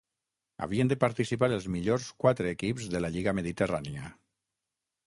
Havien de participar els millors quatre equips de la Lliga Mediterrània.